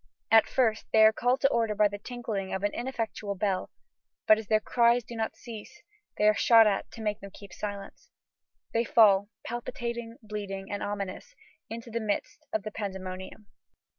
At first they are called to order by the tinkling of an ineffectual bell; but as their cries do not cease, they are shot at to make them keep silence. They fall, palpitating, bleeding, and ominous, into the midst of the pandemonium."